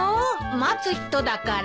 待つ人だから。